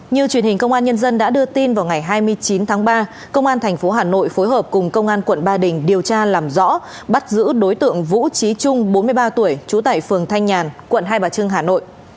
như truyền hình công an nhân dân đã đưa tin vào ngày hai mươi chín tháng ba công an tp hà nội phối hợp cùng công an quận ba đình điều tra làm rõ bắt giữ đối tượng vũ trí trung bốn mươi ba tuổi trú tại phường thanh nhàn quận hai bà trưng hà nội